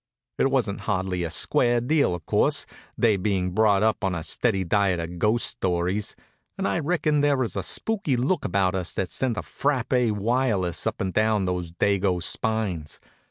It wasn't hardly a square deal, of course, they being brought up on a steady diet of ghost stories; and I reckon there was a spooky look about us that sent a frappé wireless up and down those dago spines.